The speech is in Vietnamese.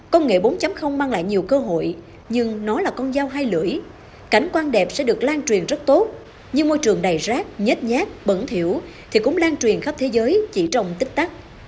công nghệ bốn mang lại nhiều cơ hội nhưng nó là con dao hai lưỡi cảnh quan đẹp sẽ được lan truyền rất tốt như môi trường đầy rác nhết nhát bẩn thiểu thì cũng lan truyền khắp thế giới chỉ trong tích tắc